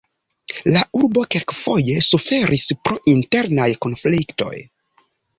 La urbo kelkfoje suferis pro internaj konfliktoj.